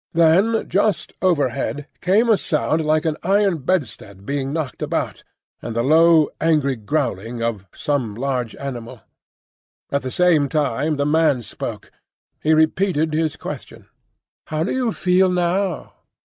Then just overhead came a sound like an iron bedstead being knocked about, and the low angry growling of some large animal. At the same time the man spoke. He repeated his question,—"How do you feel now?"